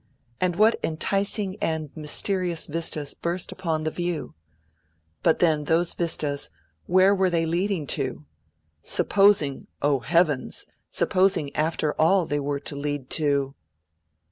And what enticing and mysterious vistas burst upon the view! But then, those vistas, where were they leading? Supposing oh heavens! supposing after all they were to lead to